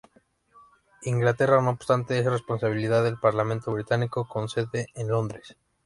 Inglaterra, no obstante, es responsabilidad del parlamento británico, con sede en Londres.